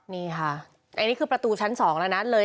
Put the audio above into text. นี่ค่ะอันนี้คือประตูชั้น๒แล้วนะเลย